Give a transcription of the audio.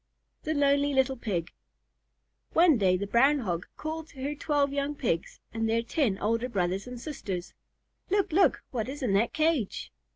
THE LONELY LITTLE PIG One day the Brown Hog called to her twelve young Pigs and their ten older brothers and sisters, "Look! look! What is in that cage?"